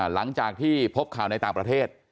หลังจากที่พบข่าวในต่างประเทศ